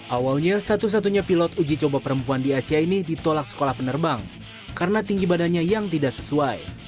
awalnya satu satunya pilot uji coba perempuan di asia ini ditolak sekolah penerbang karena tinggi badannya yang tidak sesuai